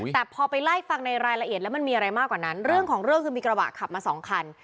แต่พอไปไล่ฟังในรายละเอียดแล้วมันมีอะไรมากกว่านั้นเรื่องของเรื่องคือมีกระบะขับมาสองคัน